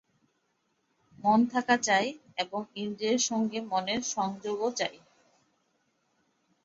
মন থাকা চাই এবং ইন্দ্রিয়ের সঙ্গে মনের সংযোগও চাই।